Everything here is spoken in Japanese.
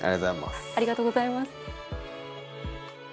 ありがとうございます。